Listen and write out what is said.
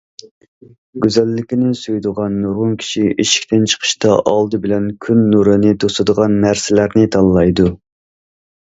گۈزەللىكنى سۆيىدىغان نۇرغۇن كىشى ئىشىكتىن چىقىشتا ئالدى بىلەن كۈن نۇرىنى توسىدىغان نەرسىلەرنى تاللايدۇ.